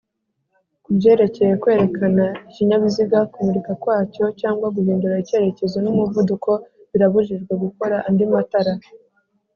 Kubyerekeye kwerekana ikinyabiziga, kumurika kwacyo cg guhindura icyerekezo n’umuvuduko ‘birabujijwe gukora andi matara